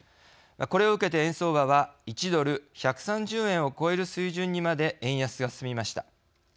これを受けて、円相場は１ドル１３０円を超える水準にまで円安が進みました。